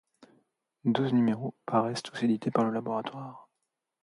Douze numéros paraissent tous édités par le Laboratoire.